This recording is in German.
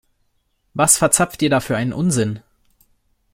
Was verzapft ihr da für einen Unsinn?